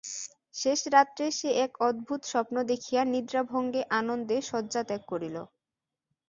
শেষ রাত্রে সে এক অদ্ভুত স্বপ্ন দেখিয়া নিদ্রাভঙ্গে আনন্দে শয্যা ত্যাগ করিল।